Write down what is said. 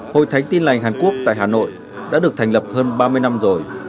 hội thánh tin lành hàn quốc tại hà nội đã được thành lập hơn ba mươi năm rồi